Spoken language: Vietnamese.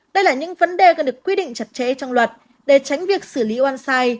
đây là những vấn đề cần được quy định chặt chẽ trong luật để tránh việc xử lý oan sai